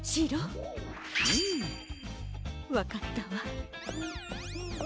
わかったわ。